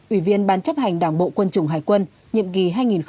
ủy viên ban chấp hành đảng bộ quân chủng hải quân nhiệm kỳ hai nghìn năm hai nghìn một mươi